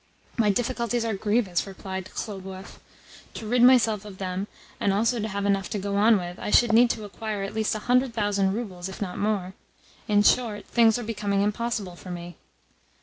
"My difficulties are grievous," replied Khlobuev. "To rid myself of them, and also to have enough to go on with, I should need to acquire at least a hundred thousand roubles, if not more. In short, things are becoming impossible for me."